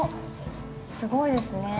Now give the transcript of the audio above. すごいですね。